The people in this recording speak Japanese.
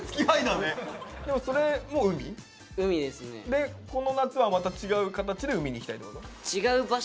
でこの夏はまた違う形で海に行きたいってこと？